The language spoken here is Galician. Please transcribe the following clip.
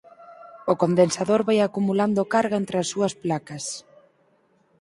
O condensador vai acumulando carga entre as súas placas.